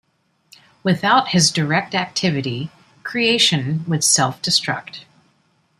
Without his direct activity creation would self-destruct.